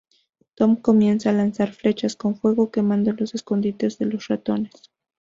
Tom comienza a lanzar "flechas" con fuego, quemando los escondites de los ratones.